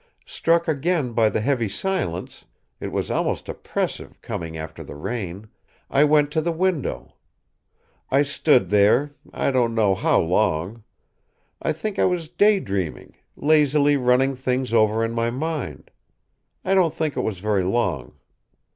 Struck again by the heavy silence it was almost oppressive, coming after the rain I went to the window. I stood there, I don't know how long. I think I was day dreaming, lazily running things over in my mind. I don't think it was very long.